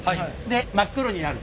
で真っ黒になる。